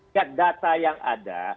kita lihat data yang ada